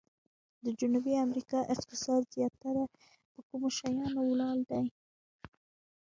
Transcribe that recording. د جنوبي امریکا اقتصاد زیاتره په کومو شیانو ولاړ دی؟